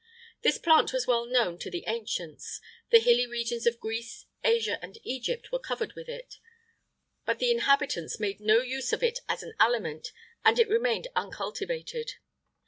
This plant was well known to the ancients; the hilly regions of Greece, Asia, and Egypt were covered with it;[IX 90] but the inhabitants made no use of it as an aliment, and it remained uncultivated.